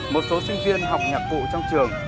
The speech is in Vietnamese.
một số sinh viên học nhạc vụ trong trường